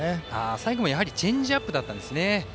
最後もやはりチェンジアップだったんですね。